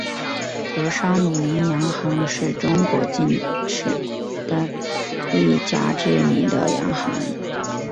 德商鲁麟洋行是中国近代史上一家知名的洋行。